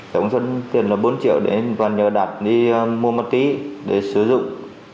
tổng số tiền là bốn triệu đến và nhờ đạt đi mua ma túy để sử dụng